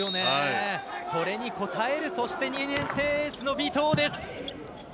それに応えるそして２年生エースの尾藤です。